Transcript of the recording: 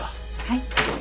はい。